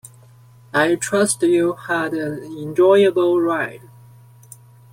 I trust you had an enjoyable ride.